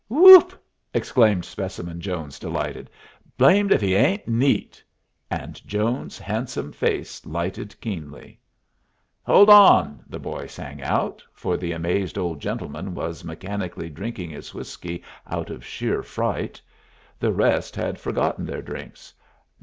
"Whoop!" exclaimed Specimen Jones, delighted. "Blamed if he ain't neat!" And Jones's handsome face lighted keenly. "Hold on!" the boy sang out, for the amazed old gentleman was mechanically drinking his whiskey out of sheer fright. The rest had forgotten their drinks.